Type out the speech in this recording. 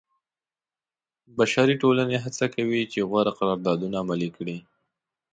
بشري ټولنې هڅه کوي چې غوره قراردادونه عملي کړي.